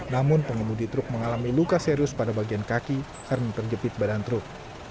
namun pengemudi truk mengalami luka serius pada bagian kaki karena terjepit badan truk